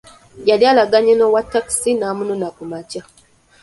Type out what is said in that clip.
Yali alagaanye n'owatakisi an'amunona ku makya.